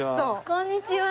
こんにちは。